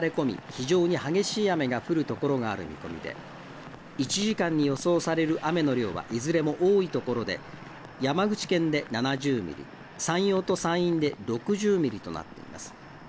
非常に激しい雨が降るところがある見込みで１時間に予想される雨の量はいずれも多いところで山口県で７０ミリ、山陽と山陰で６０ミリとなっています。